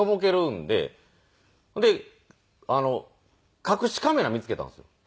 ほんで隠しカメラ見つけたんですよ。